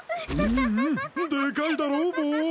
うんうんでかいだろボー。